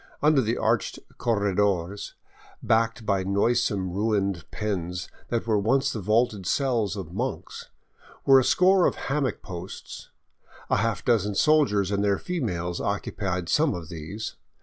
Under the arched corredores, backed by noisome ruined pens that were once the vaulted cells of monks, were a score of hammock posts. A half dozen soldiers and their females occupied some of these.